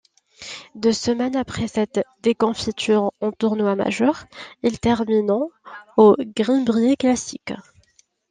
Deux semaines après cette déconfiture en tournoi majeur, il termine en au Greenbrier Classic.